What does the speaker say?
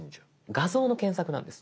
画像の検索なんです。